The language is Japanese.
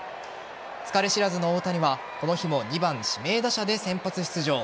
疲れ知らずの大谷はこの日も２番・指名打者で先発出場。